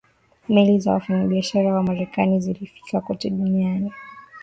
Meli za wafanyabiashara wa Marekani zilifika kote duniani